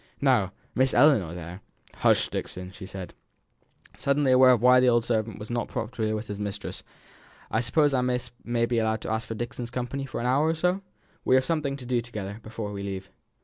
Now, Miss Ellinor, there " "Hush, Dixon," she said, suddenly aware of why the old servant was not popular with his mistress. "I suppose I may be allowed to ask for Dixon's company for an hour or so; we have something to do together before we leave."